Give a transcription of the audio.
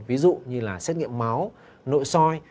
ví dụ như là xét nghiệm máu nội soi